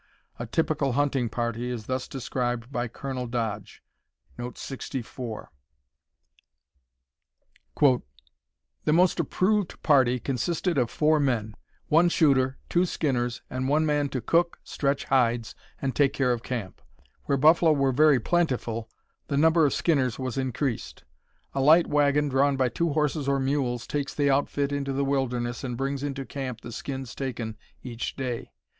A typical hunting party is thus described by Colonel Dodge: "The most approved party consisted of four men one shooter, two skinners, and one man to cook, stretch hides, and take care of camp. Where buffalo were very plentiful the number of skinners was increased. A light wagon, drawn by two horses or mules, takes the outfit into the wilderness, and brings into camp the skins taken each day.